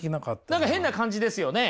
何か変な感じですよね！